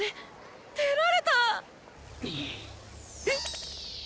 えっ⁉